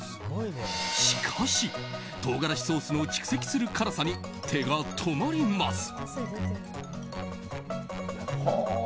しかし、唐辛子ソースの蓄積する辛さに手が止まります。